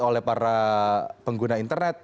oleh para pengguna internet